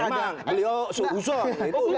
ya memang beliau se zone